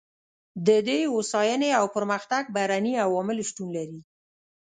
د دې هوساینې او پرمختګ بهرني عوامل شتون لري.